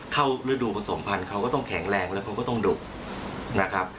ฤดูผสมพันธ์เขาก็ต้องแข็งแรงแล้วเขาก็ต้องดุนะครับ